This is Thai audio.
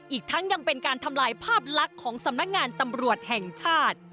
อีกทั้งยังเป็นการทำลายภาพลักษณ์ของสำนักงานตำรวจแห่งชาติ